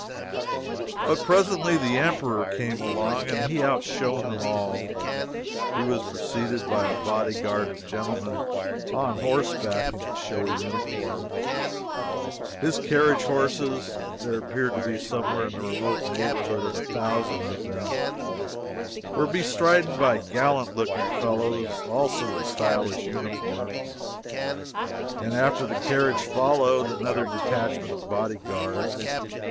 But presently the Emperor came along and he outshone them all. He was preceded by a bodyguard of gentlemen on horseback in showy uniforms, his carriage horses (there appeared to be somewhere in the remote neighborhood of a thousand of them,) were bestridden by gallant looking fellows, also in stylish uniforms, and after the carriage followed another detachment of bodyguards.